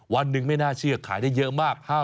วันหนึ่งไม่น่าเชื่อขายได้เยอะมาก